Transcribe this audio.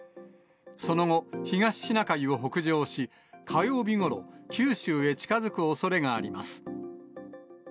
その後、東シナ海を北上し、火曜日ごろ、九州へ近づくおそれがあります。